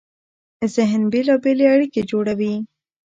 ذهن بېلابېلې اړیکې جوړوي.